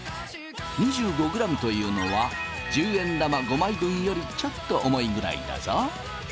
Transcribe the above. ２５ｇというのは１０円玉５枚分よりちょっと重いぐらいだぞ。